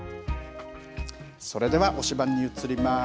それでは推しバン！に移ります。